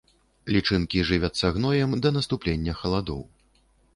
Лічынкі жывяцца гноем да наступлення халадоў.